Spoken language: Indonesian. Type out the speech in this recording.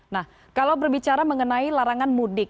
nah kalau berbicara mengenai larangan mudik